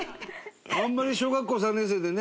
あんまり、小学校３年生でね